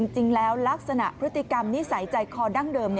จริงแล้วลักษณะพฤติกรรมนิสัยใจคอดั้งเดิม